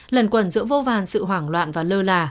lần cuộn giữa vô vàn sự hoảng loạn và lơ là